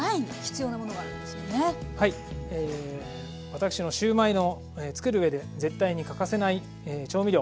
私のシューマイの作るうえで絶対に欠かせない調味料。